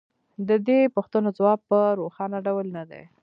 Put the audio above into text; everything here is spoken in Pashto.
د دې پوښتنو ځواب په روښانه ډول نه دی